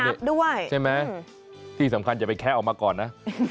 ด้วยใช่ไหมที่สำคัญอย่าไปแคะออกมาก่อนนะ